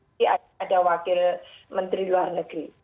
jadi ada wakil menteri luar negeri